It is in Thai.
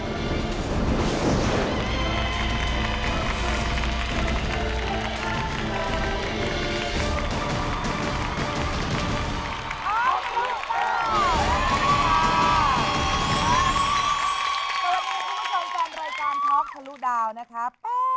สวัสดีครับสวัสดีที่ผู้ชมสำรวจรายการท็อคทะลุดาวนะคะ